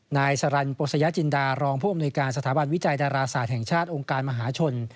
นายสรรโปสยจินดารองผู้อำนวยการสถาบันวิจัยดาราศาสตร์แห่งชาติองค์การมหาชน